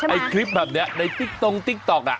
ไอ้คลิปแบบนี้ในติ๊กตรงติ๊กต๊อกน่ะ